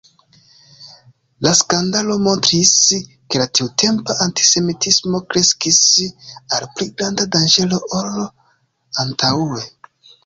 La skandalo montris, ke la tiutempa antisemitismo kreskis al pli granda danĝero ol antaŭe.